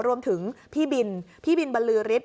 รวมถึงพี่บินพี่บินบรรลือฤทธ